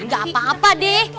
gak apa apa deh